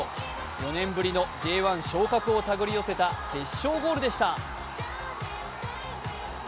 ４年ぶりのＪ１昇格を手繰り寄せた決勝ゴールでした。